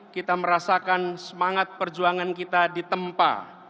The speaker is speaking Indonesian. kita merasakan semangat perjuangan kita ditempa